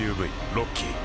ロッキー